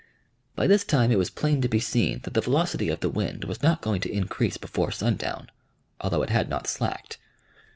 By this time it was plain to be seen that the velocity of the wind was not going to increase before sundown, although it had not slacked.